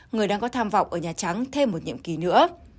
người đang có tham vọng ở nhà trắng thêm một nhiệm kỳ nữa